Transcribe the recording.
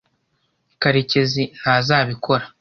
karekezi ntazabikora